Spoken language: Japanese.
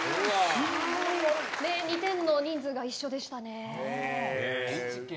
２点の人数が一緒でしたね。